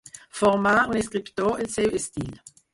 Formar, un escriptor, el seu estil.